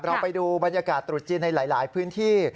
เราไปดูบรรยากาศตรุษจีนในหลายพื้นที่